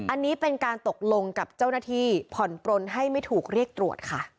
อันนี้เป็นการตกลงกับเจ้าหน้าที่ผ่อนปลนให้ไม่ถูกเรียกตรวจค่ะ